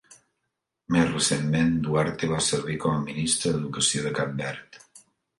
Més recentment, Duarte va servir com a ministra d'Educació de Cap Verd.